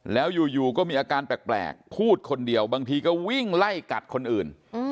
แล้วอยู่ก็มีอาการแปลกพูดคนเดียวบางทีก็วิ่งไล่กัดคนอื่น